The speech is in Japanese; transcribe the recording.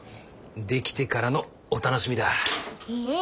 出来てからのお楽しみだ。え！